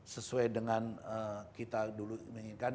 sesuai dengan kita dulu menginginkan